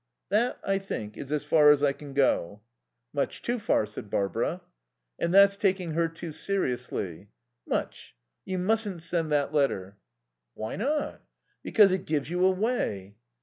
"That, I think, is as far as I can go." "Much too far," said Barbara. "And that's taking her too seriously." "Much. You mustn't send that letter." "Why not?" "Because it gives you away."